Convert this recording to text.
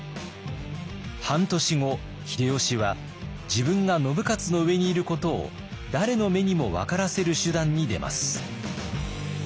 半年後秀吉は自分が信雄の上にいることを誰の目にも分からせる手段に出ます。